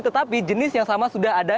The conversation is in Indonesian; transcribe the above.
tetapi jenis yang sama sudah ada